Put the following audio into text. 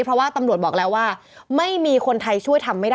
เพราะว่าตำรวจบอกแล้วว่าไม่มีคนไทยช่วยทำไม่ได้